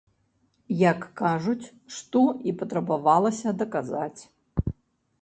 Як кажуць, што і патрабавалася даказаць!